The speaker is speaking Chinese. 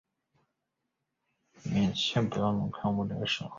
台湾与澳门关系是指台湾和澳门特别行政区的双边关系。